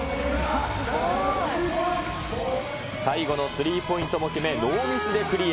最後のスリーポイントも決め、ノーミスでクリア。